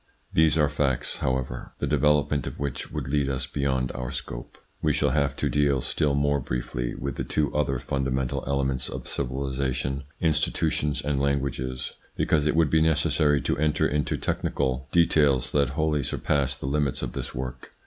These are facts, however, the development of which would lead us beyond our scope. We shall have to deal still more briefly with the two other fundamental elements of civilisation, institutions and languages, because it would be necessary to enter into technical 90 THE PSYCHOLOGY OF PEOPLES: details that wholly surpass the limits of this work.